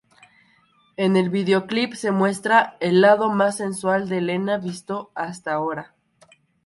En el videoclip se muestra el lado más sensual de Helena visto hasta ahora.